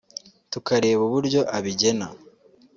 tukareba uburyo abigena